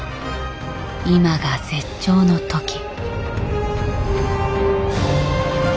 今が絶頂の時。